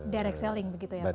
direct selling begitu ya pak